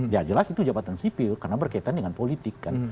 ya jelas itu jabatan sipil karena berkaitan dengan politik kan